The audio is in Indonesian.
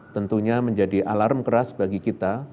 tentunya menjadi alarm keras bagi kita